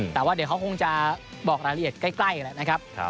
แต่ว่าเดี๋ยวเขาคงจะบอกรายละเอียดใกล้แล้วนะครับ